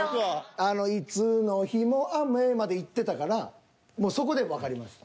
あの「いつの日も雨」までいってたからもうそこでわかりました。